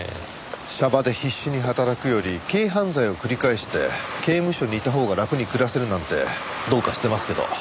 娑婆で必死に働くより軽犯罪を繰り返して刑務所にいたほうが楽に暮らせるなんてどうかしてますけど。